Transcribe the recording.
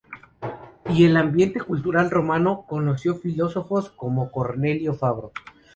Y en el ambiente cultural romano, conoció filósofos como y Cornelio Fabro.